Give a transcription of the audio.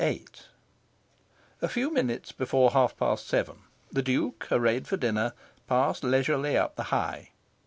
VIII A few minutes before half past seven, the Duke, arrayed for dinner, passed leisurely up the High.